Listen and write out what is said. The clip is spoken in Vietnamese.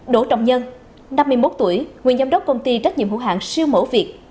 đỗ trọng nhân năm mươi một tuổi nguyên giám đốc công ty trách nhiệm hữu hạng siêu mẫu việt